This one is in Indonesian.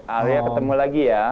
aria ketemu lagi ya